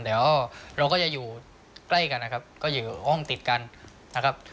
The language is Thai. เดี๋ยวเราก็จะอยู่ใกล้กันนะครับก็อยู่ห้องติดกันนะครับ